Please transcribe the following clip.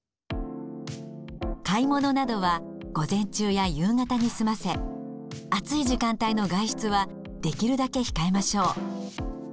買い物などは午前中や夕方に済ませ暑い時間帯の外出はできるだけ控えましょう。